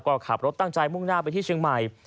ก็ขับรถตั้งใจมุ่งหน้าไปที่เชียงใหม่